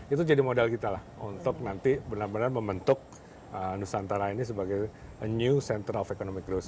itu jadi modal kita lah untuk nanti benar benar membentuk nusantara ini sebagai new central of economic growt